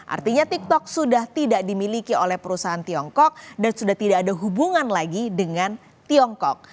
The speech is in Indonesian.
artinya tiktok sudah tidak dimiliki oleh perusahaan tiongkok dan sudah tidak ada hubungan lagi dengan tiongkok